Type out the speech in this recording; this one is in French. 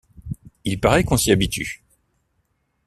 Il paraît qu'on s'y habitue.